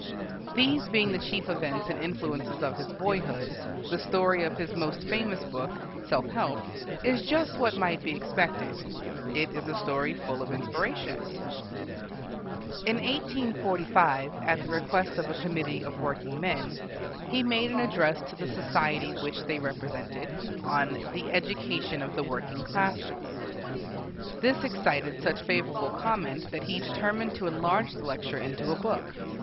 These being the chief events and influences of his boyhood, the story of his most famous book, "Self Help," is just what might be expected. It is a story full of inspiration. In 1845, at the request of a committee of working men, he made an address to the society which they represented, on "The Education of the Working Classes." This excited such favorable comment that he determined to enlarge the lecture into a book.